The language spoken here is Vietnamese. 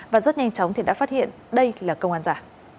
và rất nhanh chóng thì đã phát hiện đây là công an giả